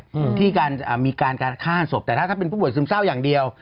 อืมที่การอ่ามีการการฆ่าศพแต่ถ้าถ้าเป็นผู้ป่วยซึมเศร้าอย่างเดียว